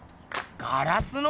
ガラスの？